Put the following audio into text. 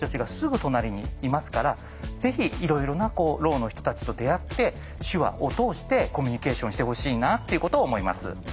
ぜひいろいろなろうの人たちと出会って手話を通してコミュニケーションしてほしいなっていうことを思います。